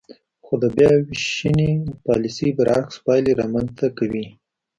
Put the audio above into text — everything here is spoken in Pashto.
خو د بیاوېشنې پالیسۍ برعکس پایلې رامنځ ته کوي.